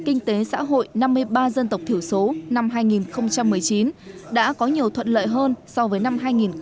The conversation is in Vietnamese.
kinh tế xã hội năm mươi ba dân tộc thiểu số năm hai nghìn một mươi chín đã có nhiều thuận lợi hơn so với năm hai nghìn một mươi tám